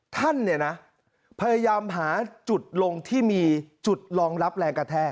ท่านเนี่ยนะพยายามหาจุดลงที่มีจุดรองรับแรงกระแทก